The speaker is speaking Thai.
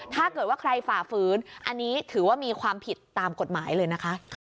ถ้าเกิดว่าใครฝ่าฝืนอันนี้ถือว่ามีความผิดตามกฎหมายเลยนะคะ